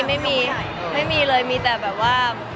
ไม่มีไม่มีเลยแต่แบบว่า